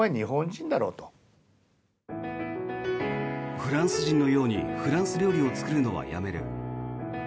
フランス人のようにフランス料理を作るのはやめる。